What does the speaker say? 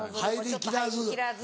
入りきらず。